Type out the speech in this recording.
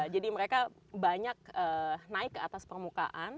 jadi mereka banyak naik ke atas permukaan